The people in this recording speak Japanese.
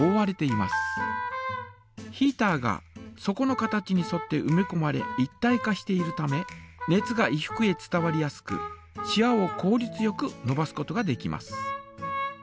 ヒータが底の形にそってうめこまれ一体化しているため熱が衣服へ伝わりやすくしわをこうりつよくのばすことができます。